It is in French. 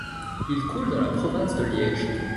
Il coule dans la province de Liège.